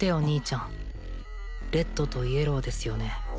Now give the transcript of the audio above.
兄ちゃんレッドとイエローですよね？